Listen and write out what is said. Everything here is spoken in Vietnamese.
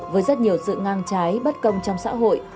với rất nhiều sự ngang trái bất công trong xã hội